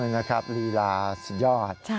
นะครับลีลาสุดยอด